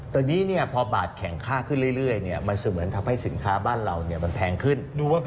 ตอนนี้พอบาทแข็งค่าขึ้นเรื่อยมันเสมือนทำให้สินค้าบ้านเรามันแพงขึ้น